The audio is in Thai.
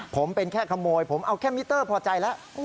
ผมเป็นแค่ขโมยผมเอาแค่มิเตอร์พอใจแล้ว